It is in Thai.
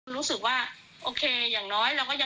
รู้สึกว่าโอเคอย่างน้อย